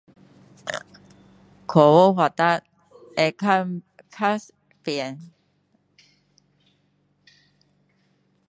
科学发达会会会比较便